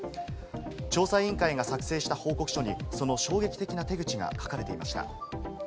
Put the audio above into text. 調査委員会が作成した報告書にその衝撃的な手口が書かれていました。